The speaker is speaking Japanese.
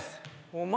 お前。